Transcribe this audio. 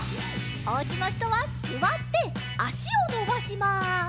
おうちのひとはすわってあしをのばします。